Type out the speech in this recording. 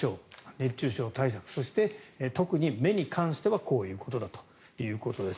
熱中症対策そして、特に目に関してはこういうことだということです。